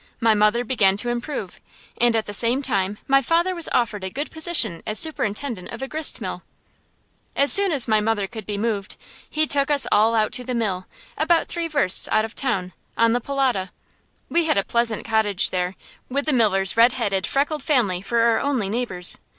My mother began to improve, and at the same time my father was offered a good position as superintendent of a gristmill. As soon as my mother could be moved, he took us all out to the mill, about three versts out of town, on the Polota. We had a pleasant cottage there, with the miller's red headed, freckled family for our only neighbors.